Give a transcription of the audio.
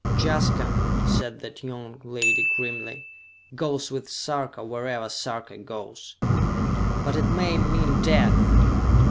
"Jaska," said that young lady grimly, "goes with Sarka wherever Sarka goes!" "But it may mean death!